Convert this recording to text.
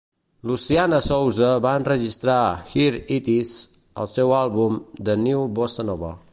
Luciana Souza va enregistrar "Here It Is" al seu àlbum "The New Bossa Nova.